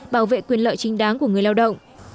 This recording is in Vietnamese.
bảo vệ quyền lợi chính đáng của người lao động